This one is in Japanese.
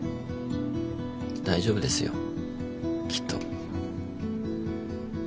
大丈夫ですよきっと。